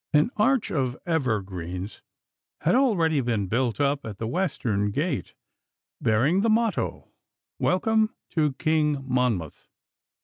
An arch of evergreens had already been built up at the western gate, bearing the motto, 'Welcome to King Monmouth!